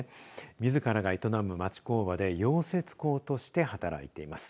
みずからが営む町工場で溶接工として働いています。